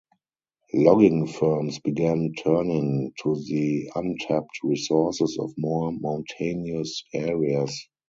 Logging firms began turning to the untapped resources of more mountainous areas.